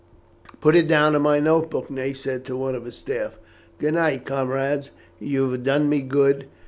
"Put it down in my note book," Ney said to one of his staff. "Good night, comrades, you have done me good.